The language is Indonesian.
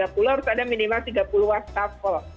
harus ada minimal tiga puluh waskensel